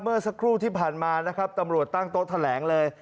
เมื่อสักครู่ที่ผ่านมานะครับตำรวจตั้งโต๊ะแถลงเลย